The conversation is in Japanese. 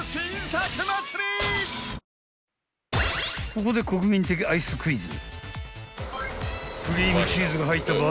［ここで国民的アイスクイズ］